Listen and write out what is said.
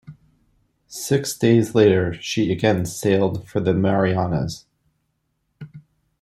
Six days later, she again sailed for the Marianas.